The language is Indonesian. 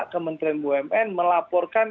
kementerian bumn melaporkan